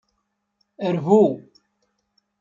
Rbu.